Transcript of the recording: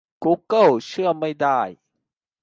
กูเกิลเชื่อไม่ได้